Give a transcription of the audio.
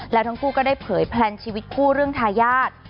แล้วทั้งคู่ก็ได้เผยแพลนชีวิตคู่เรื่องทายาท